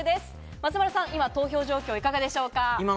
松丸さん、今の投票状況いかがでしょうか？